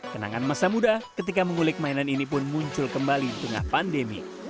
kenangan masa muda ketika mengulik mainan ini pun muncul kembali di tengah pandemi